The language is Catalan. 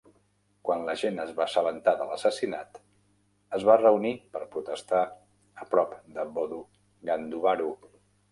Quan la gent es va assabentar de l'assassinat, es va reunir per protestar a prop de Bodu Ganduvaru.